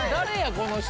この人！